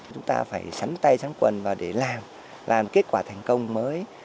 chúng ta phải sắn tay sắn quần và để làm kết quả thành công mới